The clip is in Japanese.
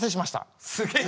すげえ！